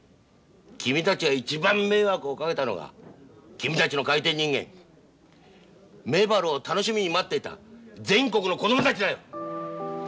君たちが一番迷惑をかけたのは君たちの「海底人間メバル」を楽しみに待っていた全国の子どもたちだよ！